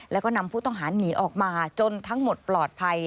แล้วก็นำผู้ต้องหาหนีออกมาจนทั้งหมดปลอดภัย